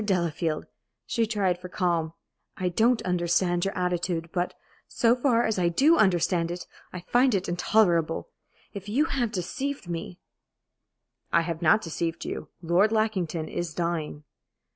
Delafield" she tried for calm "I don't understand your attitude, but, so far as I do understand it, I find it intolerable. If you have deceived me " "I have not deceived you. Lord Lackington is dying."